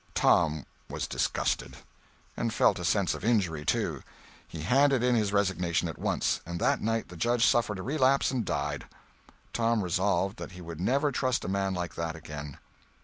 Tom was disgusted; and felt a sense of injury, too. He handed in his resignation at once—and that night the Judge suffered a relapse and died. Tom resolved that he would never trust a man like that again.